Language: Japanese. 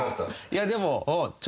いやでも。